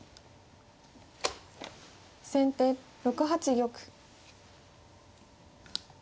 先手６八玉。